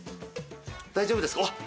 大丈夫ですか？